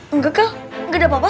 enggak kak enggak ada apa apa